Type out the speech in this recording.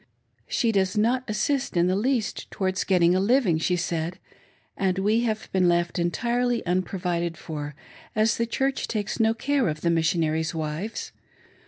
" She does not assist in the least towards getting a living," she said, " and we have been left entirely unprovided for, as the Church takes no care of the Missionaries' wives.